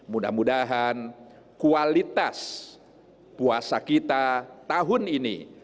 mudah mudahan kualitas puasa kita tahun ini